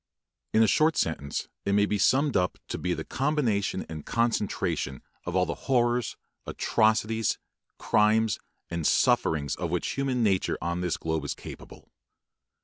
In a short sentence it may be summed up to be the combination and concentration of all the horrors, atrocities, crimes, and sufferings of which human nature on this globe is capable.